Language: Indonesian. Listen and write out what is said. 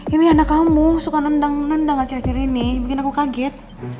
ini anak kamu suka nendang nendang akhir akhir ini bikin aku kaget